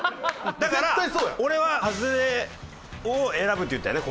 だから俺はハズレを選ぶって言ったよね？